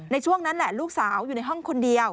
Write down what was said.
ในช่วงนั้นแหละลูกสาวอยู่ในห้องคนเดียว